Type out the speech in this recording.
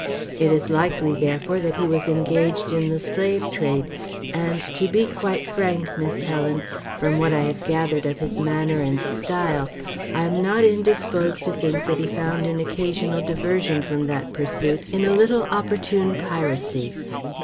It is likely, therefore, that he was engaged in the slave trade, and, to be quite frank, Miss Helen, from what I have gathered of his manner and style, I am not indisposed to think that he found an occasional diversion from that pursuit in a little opportune piracy."